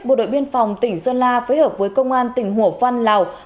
bộ đội biên phòng tỉnh sơn la phối hợp với công an tỉnh hồ phân lào